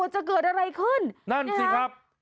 จะเกิดอะไรขึ้นนั่นสิครับนี่แหละ